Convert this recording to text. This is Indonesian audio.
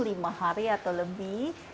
lima hari atau lebih